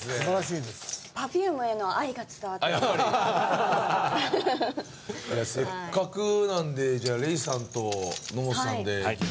いやせっかくなんでじゃあＲｅｉさんと野本さんで。